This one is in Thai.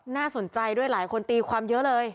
น่าสนใจด้วยหลายคนตีความเยอะเลย